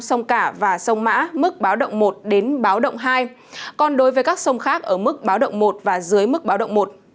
sông cả và sông mã mức báo động một đến báo động hai còn đối với các sông khác ở mức báo động một và dưới mức báo động một